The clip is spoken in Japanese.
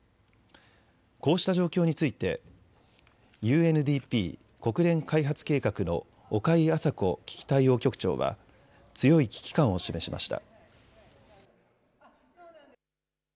こうした状況についてＵＮＤＰ・国連開発計画の岡井朝子危機対応局長は強い危機感を示しました。